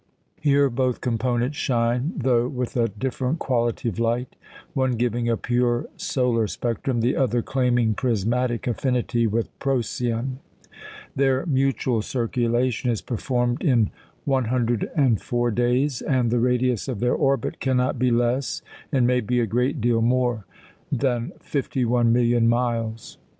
Here both components shine, though with a different quality of light, one giving a pure solar spectrum, the other claiming prismatic affinity with Procyon. Their mutual circulation is performed in 104 days, and the radius of their orbit cannot be less, and may be a great deal more, than 51,000,000 miles.